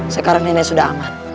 sekarang nenek sudah aman